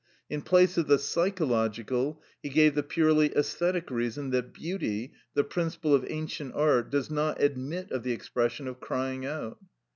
In place of the psychological he gave the purely æsthetic reason that beauty, the principle of ancient art, does not admit of the expression of crying out.